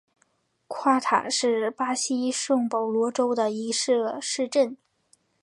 夸塔是巴西圣保罗州的一个市镇。